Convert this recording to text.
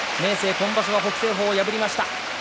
今場所は北青鵬、敗れました。